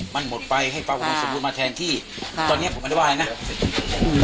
มันหมดไปให้ความอุดมสมบูรณ์มาแทนที่อ่าตอนเนี้ยผมไม่ได้ว่าอะไรนะอืม